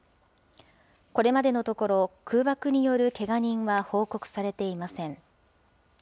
これまでのところ、空爆によるけが人は報告されていません。